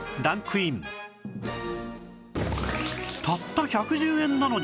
たった１１０円なのに